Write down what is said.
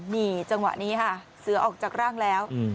นี่จังหวะนี้ค่ะเสือออกจากร่างแล้ว